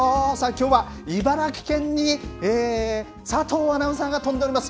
きょうは茨城県に佐藤アナウンサーが飛んでおります。